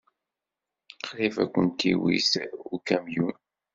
Qrib ay kent-iwit ukamyun.